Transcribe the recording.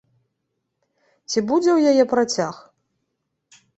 Ці будзе ў яе працяг?